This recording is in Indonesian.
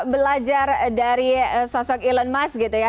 belajar dari sosok elon musk gitu ya